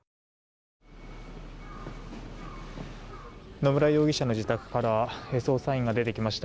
野村容疑者の自宅から捜査員が出てきました。